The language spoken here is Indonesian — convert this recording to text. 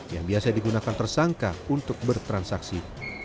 yang biasa digunakan tersangka untuk bertransaksi